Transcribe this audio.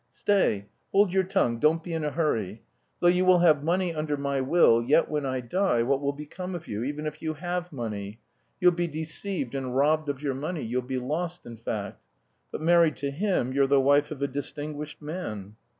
"Stay, hold your tongue, don't be in a hurry! Though you will have money under my will, yet when I die, what will become of you, even if you have money? You'll be deceived and robbed of your money, you'll be lost in fact. But married to him you're the wife of a distinguished man.